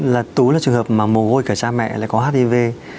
là tú là trường hợp mà mồ côi cả cha mẹ lại có hdv